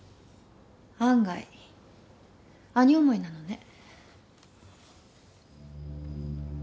案外兄思いなのね。